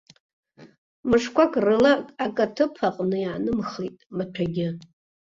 Мышқәак рыла акы аҭыԥ аҟны иаанымхеит, маҭәагьы.